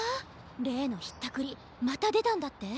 れいのひったくりまたでたんだって？